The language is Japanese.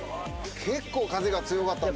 結構風が強かった。